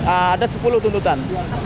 ada sepuluh tuntutan